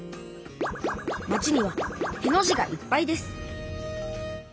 町にはへの字がいっぱいです。